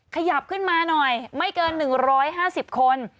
ขยับขึ้นมาหน่อยไม่เกิน๑๕๐คน